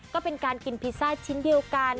ก็เป็นการกินพิซซ่าชิ้นเดียวกัน